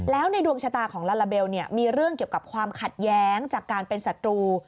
แล้วในดวงชะตาของลาลาเบลมีเรื่องเกี่ยวกับความขัดแย้งจากการเป็นศัตรู